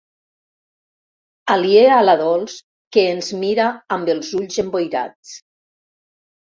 Aliè a la Dols que ens mira amb els ulls emboirats.